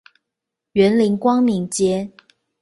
員林光明街